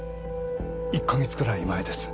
１カ月くらい前です。